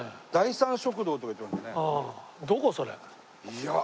いや。